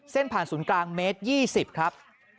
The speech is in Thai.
ผ่านศูนย์กลางเมตร๒๐ครับ